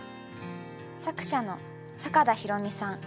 作者の坂田裕美さん。